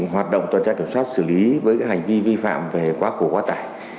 hoạt động tổ chức kiểm soát xử lý với hành vi vi phạm về quá khổ quá tải